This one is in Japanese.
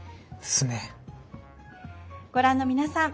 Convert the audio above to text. ご覧の皆さん